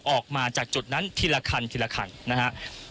ออกมาจากจุดนั้นทีละคันทีละคันนะครับ